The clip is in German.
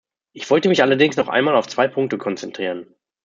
Ich wollte mich allerdings noch einmal auf zwei Punkte konzentrieren.